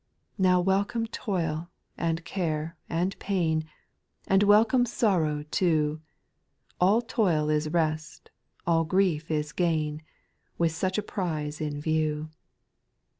7. Now welcome toil, and care, and pain I And welcome sorrow too 1 All toil is rest, all grief is gain, With such a prize in view.